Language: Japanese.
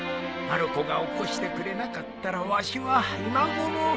まる子が起こしてくれなかったらわしは今ごろ。